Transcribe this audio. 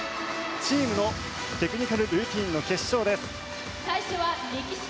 チームのテクニカルルーティンの決勝です。